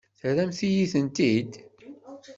Terram-iyi-ten-id?